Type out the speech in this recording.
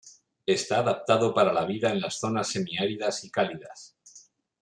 Está adaptado para la vida en las zonas semi-áridas y cálidas.